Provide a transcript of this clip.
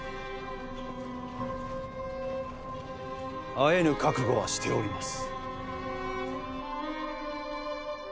会えぬ覚悟はしております。